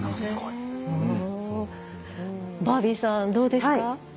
バービーさんどうですか？